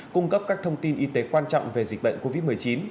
cung cấp các thông tin y tế quan trọng về dịch bệnh covid một mươi chín